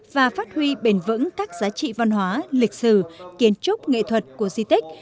và phát huy bền vững các giá trị văn hóa lịch sử kiến trúc nghệ thuật của di tích